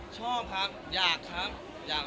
ชอบครับอยากครับ